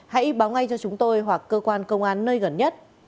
hãy báo ngay cho chúng tôi hoặc cơ quan công an nơi gần nhất